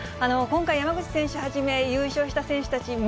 今回、山口選手はじめ、優勝した選手たち